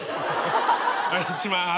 お願いします。